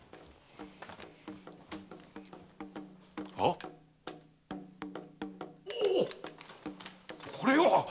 あっ⁉おおこれは！